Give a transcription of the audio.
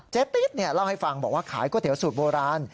ติ๊ดเล่าให้ฟังบอกว่าขายก๋วยเตี๋ยสูตรโบราณ